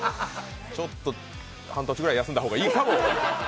ちょっと半年ぐらい休んだ方がいいかも。